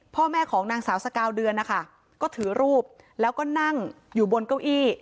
พ่อแม่ของนางสาวสกาวเดือนนะคะก็ถือรูปแล้วก็นั่งอยู่บนเก้าอี้